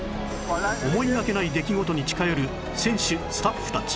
思いがけない出来事に近寄る選手スタッフたち